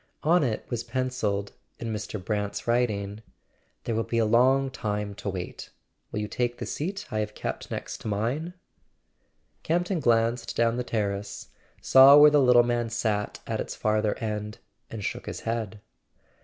On it was pencilled, in Mr. Brant's writ¬ ing: "There will be a long time to wait. Will you take the seat I have kept next to mine?" Campton glanced down the terrace, saw where the little man sat at its farther end, and shook his head.